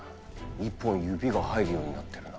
一本指が入るようになってるな